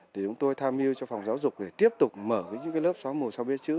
thì chúng tôi tham mưu cho phòng giáo dục để tiếp tục mở những lớp xóa mù sao biết chữ